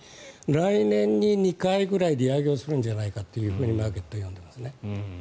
来年に２回ぐらい利上げをするんじゃないかとマーケットは読んでいますね。